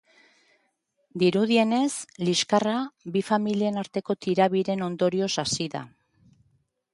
Dirudienez, liskarra bi familien arteko tirabiren ondorioz hasi da.